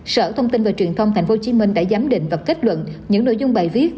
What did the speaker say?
sở thông tin và truyền thông tp hcm đã giám định và kết luận những nội dung bài viết